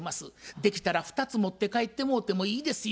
できたら２つ持って帰ってもうてもいいですよ」